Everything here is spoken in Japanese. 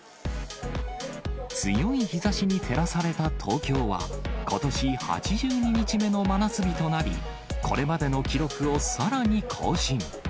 強い日ざしに照らされた東京は、ことし８２日目の真夏日となり、これまでの記録をさらに更新。